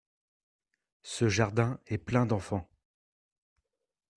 Ce jardin est plein d’enfants.